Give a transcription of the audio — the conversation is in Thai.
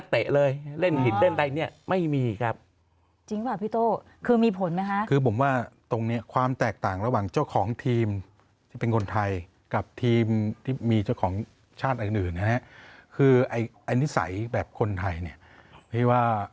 เค้บ่นกันมาแบบทำไมเจ้าของทีมเราไม่มีแบบนี้บ้างอ่ะ